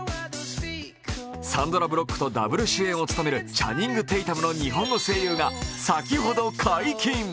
サンドラ・ブロックとダブル主演を務めるチャニング・テイタムの日本語声優が先ほど解禁。